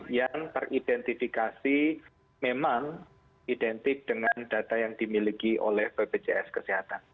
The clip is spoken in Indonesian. dan peridentifikasi memang identik dengan data yang dimiliki oleh bpjs kesehatan